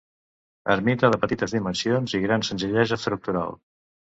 Ermita de petites dimensions i gran senzillesa estructural.